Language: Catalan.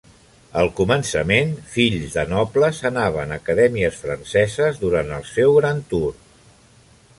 Al començament, fills de nobles anaven a acadèmies franceses durant el seu Grand Tour.